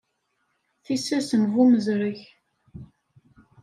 Tissas n Bu Mezreg.